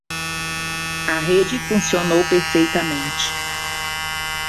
A rede funcionou perfeitamente.